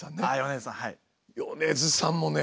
米津さんもね！